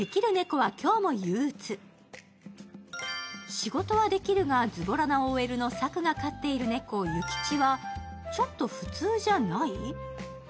仕事はできるがズボラなＯＬの幸来が飼っている諭吉はちょっと普通じゃない？